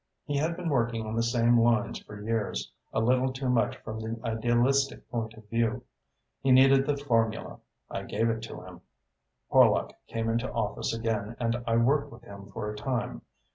He had been working on the same lines for years, a little too much from the idealistic point of view. He needed the formula. I gave it to him. Horlock came into office again and I worked with him for a time.